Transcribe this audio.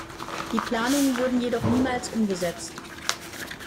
Die Planungen wurden jedoch niemals umgesetzt.